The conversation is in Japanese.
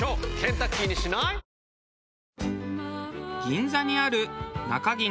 銀座にある中銀